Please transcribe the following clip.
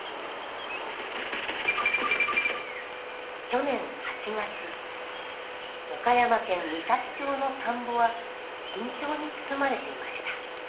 去年８月岡山県美咲町の田んぼは緊張に包まれていました。